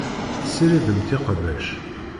Tessiridemt iqbac.